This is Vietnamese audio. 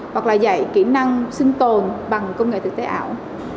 hoặc là dạy kỹ năng sinh tồn bằng công nghệ thực tế ảo